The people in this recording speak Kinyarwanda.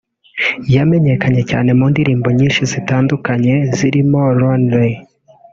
yamenyekanye cyane mu ndirimbo nyinshi zitandukanye zirimo (lonely